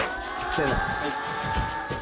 せの。